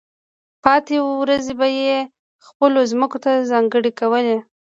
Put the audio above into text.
پاتې ورځې به یې خپلو ځمکو ته ځانګړې کولې.